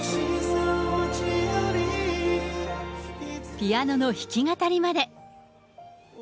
ピアノの弾き語りまで。